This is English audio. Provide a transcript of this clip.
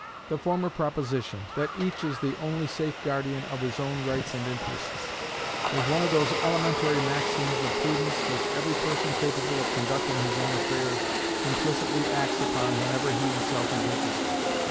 The former proposition that each is the only safe guardian of his own rights and interests is one of those elementary maxims of prudence which every person capable of conducting his own affairs implicitly acts upon wherever he himself is interested.